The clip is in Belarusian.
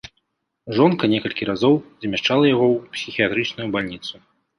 Жонка некалькі разоў змяшчала яго ў псіхіятрычную бальніцу.